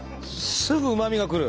すぐうまみがくる。